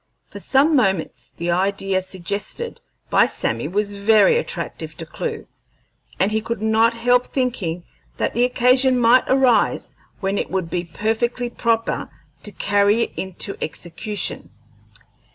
For some moments the idea suggested by Sammy was very attractive to Clewe, and he could not help thinking that the occasion might arise when it would be perfectly proper to carry it into execution.